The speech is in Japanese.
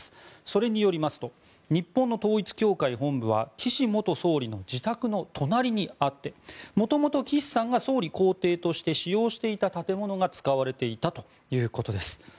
それによりますと日本の統一教会本部は岸元総理の自宅の隣にあって元々、岸さんが総理公邸として使用していた建物が使われていたということです。